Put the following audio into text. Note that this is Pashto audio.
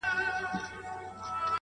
په گلونو کي د چا د خولې خندا ده